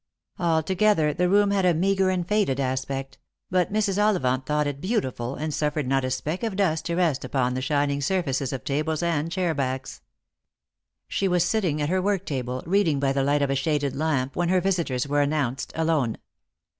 Altogether, the room had a meagre and faded aspect ; but Mrs. Ollivant thought it beautiful, and suffered not a speck of dust to rest upon the shining surfaces of tables and chair backs. She was sitting at her work table, reading by the light of a shaded lamp, when her visitors were announced, alone.